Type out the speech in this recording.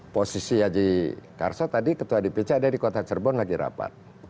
posisi haji karso tadi ketua dpc ada di kota cirebon lagi rapat